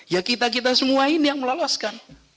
ya kita kita semua ini yang meloloskan